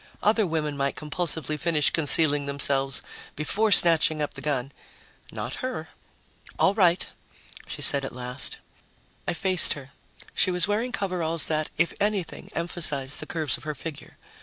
Other women might compulsively finish concealing themselves before snatching up the gun. Not her. "All right," she said at last. I faced her. She was wearing coveralls that, if anything, emphasized the curves of her figure.